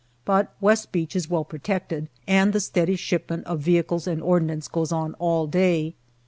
But West Beach is well protected, and the steady shipment of vehicles and ordnance goes on all day.